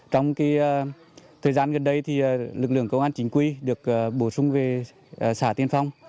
trong thời gian gần đây lực lượng công an chính quy được bổ sung về xã tiên phong